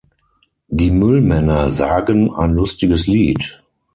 Die Müllmänner sagen ein lustiges Lied.